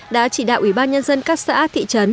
đã chỉ đạo ủy ban nhân dân các xã thị trấn